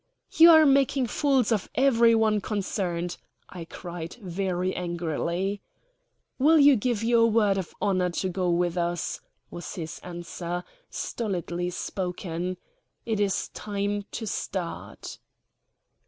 "You are making fools of every one concerned," I cried, very angrily. "Will you give your word of honor to go with us?" was his answer, stolidly spoken. "It is time to start."